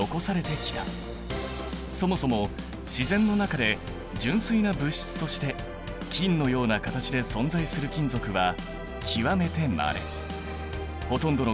そもそも自然の中で純粋な物質として金のような形で存在する金属は極めてまれ。